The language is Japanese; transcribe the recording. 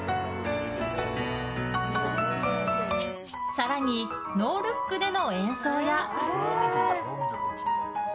更にノールックでの演奏や。